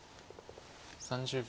３０秒。